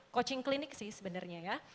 coaching klinik sih sebenarnya ya